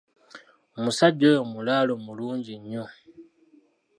Omusajja oyo mulaalo mulungi nnyo.